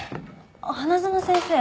花園先生。